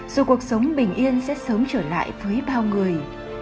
dù cuộc sống bình yên sẽ sớm trở lại với bao người